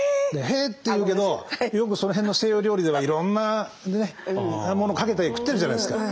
へえっていうけどよくその辺の西洋料理ではいろんなものかけて食ってるじゃないですか。